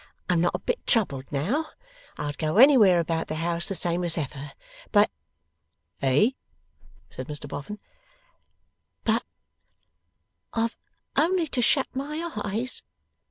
I'm not a bit troubled now. I'd go anywhere about the house the same as ever. But ' 'Eh!' said Mr Boffin. 'But I've only to shut my eyes.